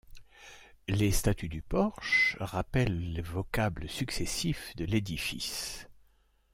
Les statues du porche rappellent les vocables successifs de l'édifice.